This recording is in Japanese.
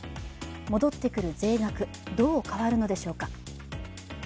戻ってくる税額、どう変わるのでしょうか。